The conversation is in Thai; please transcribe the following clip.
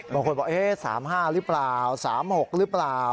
บางคนบอก๓๕หรือเปล่า๓๖หรือเปล่า